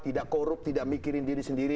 di dalam proses itu